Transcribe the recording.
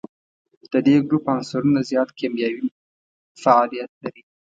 د دې ګروپ عنصرونه زیات کیمیاوي فعالیت لري.